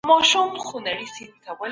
تاسو کله خپلي زده کړې پیل کړې؟